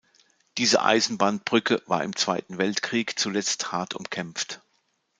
Diese Eisenbahnbrücke war im Zweiten Weltkrieg zuletzt hart umkämpft.